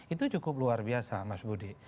itu cukup luar biasa mas budi